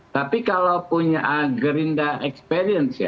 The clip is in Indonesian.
tapi kalau punya gerindra experience ya